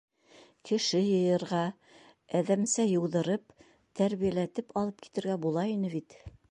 Кеше йыйырға, әҙәмсә йыуҙырып, тәрбиәләтеп алып китергә була ине бит...